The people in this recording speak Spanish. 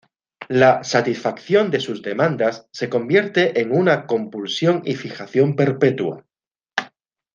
La satisfacción de sus demandas se convierte en una compulsión y fijación perpetua.